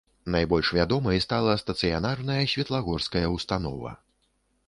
Найбольш вядомай стала стацыянарная светлагорская ўстанова.